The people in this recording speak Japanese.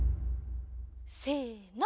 せの。